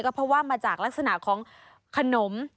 เพราะว่ามาจากลักษณะของขนม